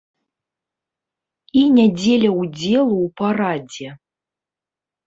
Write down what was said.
І не дзеля ўдзелу ў парадзе.